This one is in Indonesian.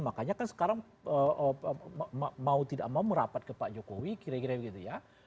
makanya kan sekarang mau tidak mau merapat ke pak jokowi kira kira begitu ya